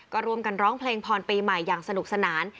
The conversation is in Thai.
ก็ร่วมกันร้องเพลงพรปีใหม่อย่างสนุกสนาน